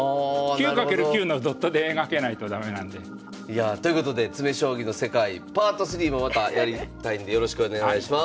９×９のドットで描けないと駄目なんで。ということで詰将棋の世界パート３もまたやりたいんでよろしくお願いします。